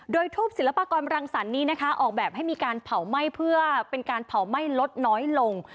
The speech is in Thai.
โดยทูปศิลปากรังสรรค์นี้นะคะออกแบบให้มีการเผาไหม้เพื่อเป็นการเผาไหม้ลดน้อยลง